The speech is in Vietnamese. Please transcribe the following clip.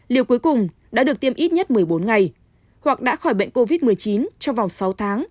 liều cuối cùng đã được tiêm ít nhất một mươi bốn ngày hoặc đã khỏi bệnh covid một mươi chín trong vòng sáu tháng